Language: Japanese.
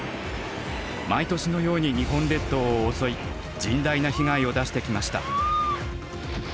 毎年のように日本列島を襲い甚大な被害を出してきました。